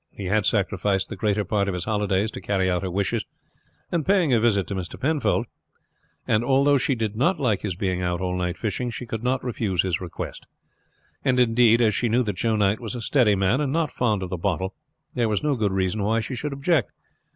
He had sacrificed the greater part of his holidays to carrying out her wishes, and paying a visit to Mr. Penfold; and although she did not like his being out all night fishing, she could not refuse his request; and, indeed, as she knew that Joe Knight was a steady man and not fond of the bottle, there was no good reason why she should object.